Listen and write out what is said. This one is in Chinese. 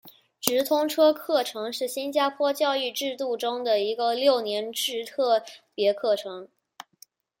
直通车课程是新加坡教育制度中的一个六年制特别课程。